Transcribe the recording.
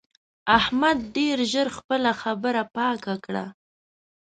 احمد ډېر ژر خپله خبره پاکه کړه.